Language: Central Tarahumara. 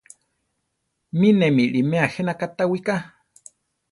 Mi ne miʼliméa je na katá wiʼká.